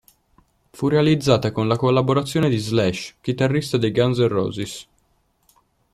Fu realizzata con la collaborazione di Slash, chitarrista dei Guns N' Roses.